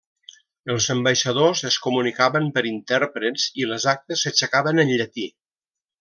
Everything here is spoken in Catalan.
Els ambaixadors es comunicaven per intèrprets i les actes s'aixecaven en llatí.